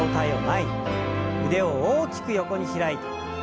腕を大きく横に開いて。